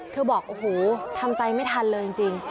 บอกโอ้โหทำใจไม่ทันเลยจริง